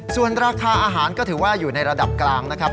ส่วนราคาอาหารก็ถือว่าอยู่ในระดับกลางนะครับ